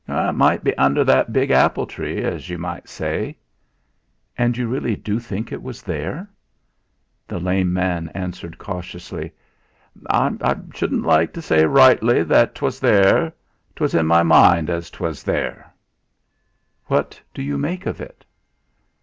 "It might be under that big apple tree, as you might say." "And you really do think it was there?" The lame man answered cautiously: "I shouldn't like to say rightly that 't was there. 'Twas in my mind as '.was there." "What do you make of it?"